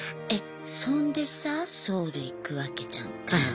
そんでさソウル行くわけじゃんか。